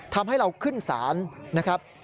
ทำให้เราขึ้นศาลนะครับ